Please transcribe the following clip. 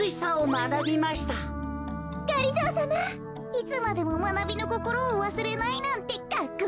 いつまでもまなびのこころをわすれないなんてかっこいい！